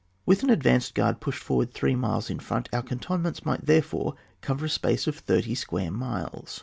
With an advanced guard pushed forward three miles in &ont, our cantonments might therefore cover a space of thirty square miles.